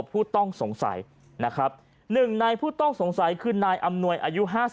ผู้ต้องสงสัยนะครับหนึ่งในผู้ต้องสงสัยคือนายอำนวยอายุ๕๓